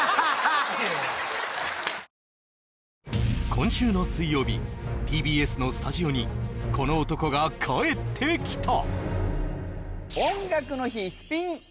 今週の水曜日、ＴＢＳのスタジオにこの男が帰ってきた。